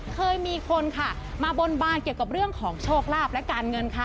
เคยมีคนค่ะมาบนบานเกี่ยวกับเรื่องของโชคลาภและการเงินค่ะ